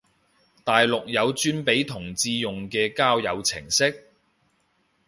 大陸有專俾同志用嘅交友程式？